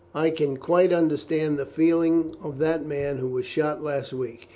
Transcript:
I can quite understand the feelings of that man who was shot last week.